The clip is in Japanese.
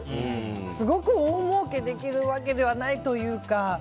すごく大儲けできるわけではないというか。